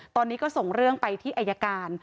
ตอนนี้ก็ส่งเรื่องไปที่อายการ